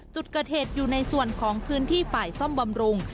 จุดกระเทศส่วนของพื้นที่ฝ่ายซ่อมบำรุง